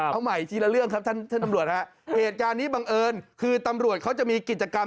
เอาใหม่ทีละเรื่องครับท่านท่านตำรวจฮะเหตุการณ์นี้บังเอิญคือตำรวจเขาจะมีกิจกรรม